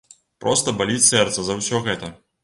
Проста баліць сэрца за ўсё гэта.